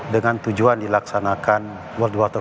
dengan tujuan dilaksanakan world water